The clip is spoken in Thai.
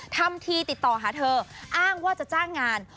ทำทีติดต่อหาเธออ้างว่าจะจ้างงาน